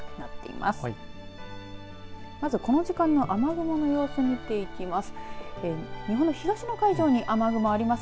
まず、この時間の雨雲の様子、見ていきます。